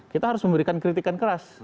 kita harus memberikan kritikan keras